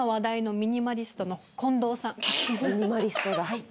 ミニマリストだ。